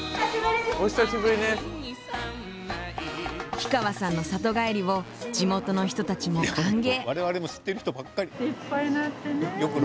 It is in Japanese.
氷川さんの里帰りを地元の人たちも歓迎！